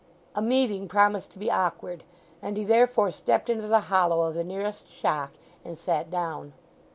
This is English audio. A meeting promised to be awkward, and he therefore stepped into the hollow of the nearest shock, and sat down.